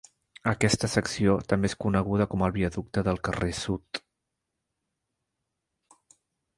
Aquesta secció també és coneguda com el Viaducte del Carrer Sud.